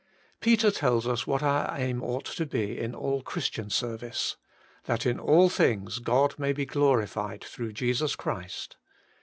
Peter tells us what our aim ought to be in all Christian service —' that in all things God may be glorified through Jesus Christ.'